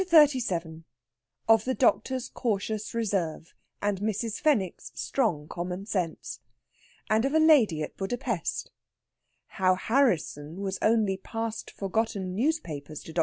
CHAPTER XXXVII OF THE DOCTOR'S CAUTIOUS RESERVE, AND MRS. FENWICK'S STRONG COMMON SENSE. AND OF A LADY AT BUDA PESTH. HOW HARRISSON WAS ONLY PAST FORGOTTEN NEWSPAPERS TO DR.